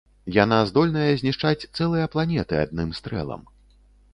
Яна здольная знішчаць цэлыя планеты адным стрэлам.